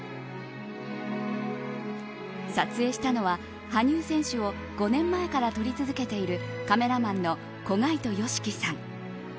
撮影したのは、羽生選手を５年前から撮り続けているカメラマンの小海途良幹さん。